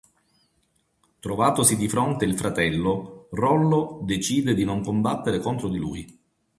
Trovatosi di fronte il fratello, Rollo decide di non combattere contro di lui.